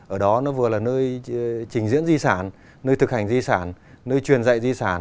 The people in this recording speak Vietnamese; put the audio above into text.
ở đó nó vừa là nơi trình diễn di sản nơi thực hành di sản nơi truyền dạy di sản